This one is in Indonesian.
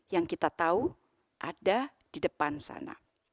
yang kita tahu ada di depan sana